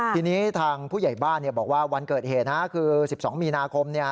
ทีนี้ทางผู้ใหญ่บ้านบอกว่าวันเกิดเหตุคือ๑๒มีนาคม